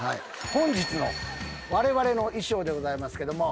本日のわれわれの衣装でございますけども。